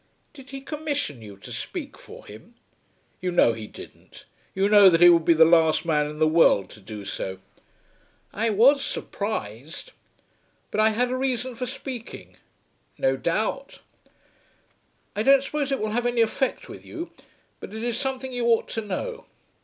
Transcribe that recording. "Did he commission you to speak for him?" "You know he didn't. You know that he would be the last man in the world to do so?" "I was surprised." "But I had a reason for speaking." "No doubt." "I don't suppose it will have any effect with you; but it is something you ought to know.